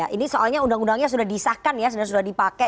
ini soalnya undang undangnya sudah disahkan ya sudah dipakai